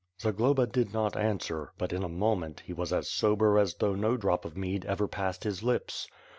Zagloba did not answer, but in a moment he was as sober as though no drop of mead ever passed his lips.